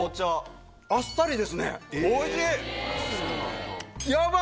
あっさりですねおいしい！